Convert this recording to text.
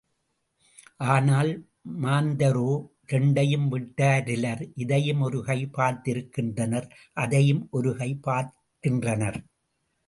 ஆனால், மாந்தரோ இரண்டையும் விட்டாரிலர் இதையும் ஒரு கை பார்க்கின்றனர் அதையும் ஒரு கை பார்க்கின்றனர்.